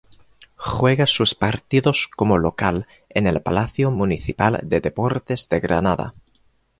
Juega sus partidos como local en el Palacio Municipal de Deportes de Granada.